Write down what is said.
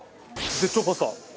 絶頂パスタ。